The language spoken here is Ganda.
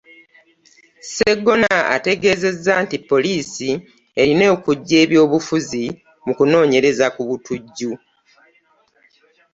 Sseggona ategeezezza nti poliisi erina okuggya eby'obufuzi mu kunoonyereza ku butujju.